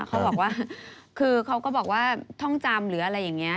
เขาบอกว่าคือเขาก็บอกว่าท่องจำหรืออะไรอย่างนี้